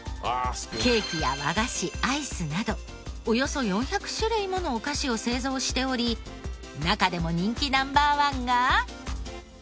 ケーキや和菓子アイスなどおよそ４００種類ものお菓子を製造しており中でも人気Ｎｏ．１が。